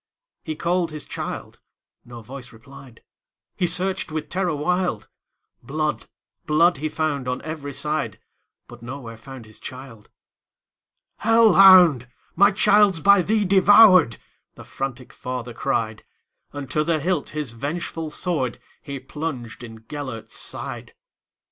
He called his child,—no voice replied,—He searched with terror wild; Blood, blood, he found on every side, But nowhere found his child."Hell hound! my child 's by thee devoured,"The frantic father cried; And to the hilt his vengeful swordHe plunged in Gêlert's side.